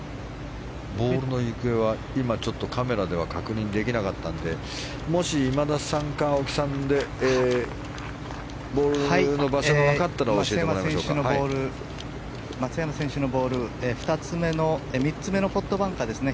ボールの行方はカメラでは確認できなかったのでもし、今田さんか青木さんでボールの場所が分かったら松山選手のボール３つ目のポットバンカーですね。